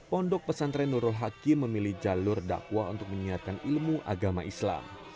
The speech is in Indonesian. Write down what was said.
pondok pesantren nurul hakim memilih jalur dakwah untuk menyiarkan ilmu agama islam